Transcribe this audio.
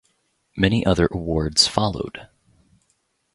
Many other awards followed.